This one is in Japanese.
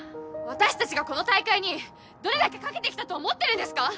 私たちがこの大会にどれだけかけてきたと思ってるんですか？